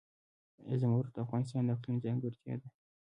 زمرد د افغانستان د اقلیم ځانګړتیا ده.